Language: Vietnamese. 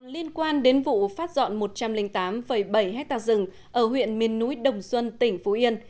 liên quan đến vụ phát dọn một trăm linh tám bảy hectare rừng ở huyện miền núi đồng xuân tỉnh phú yên